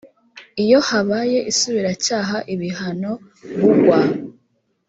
iyo habaye isubiracyaha ibihano b ugwa